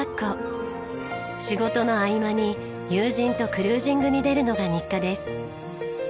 仕事の合間に友人とクルージングに出るのが日課です。